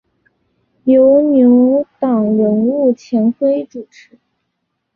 由牛党人物钱徽主持。